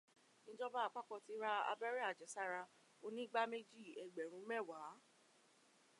Ìjọba àpapọ̀ ti ra abẹ́rẹ́ àjẹsára onígbá méjì ẹgbẹ̀rún mẹ́wàá.